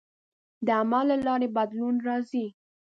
د عمل له لارې بدلون راځي.